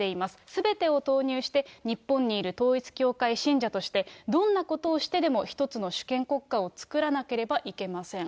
すべてを投入して、日本にいる統一教会信者として、どんなことをしてでも一つの主権国家を作らなければいけません。